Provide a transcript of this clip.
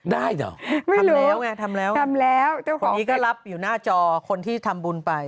ได้เหรอทำแล้วไงทำแล้วทำแล้วคนนี้ก็รับอยู่หน้าจอคนที่ทำบุญไป